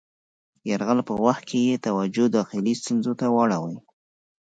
یرغل په وخت کې یې توجه داخلي ستونزو ته واړوي.